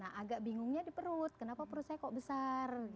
nah agak bingungnya di perut kenapa perut saya kok besar